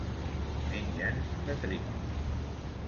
Mengen detritus.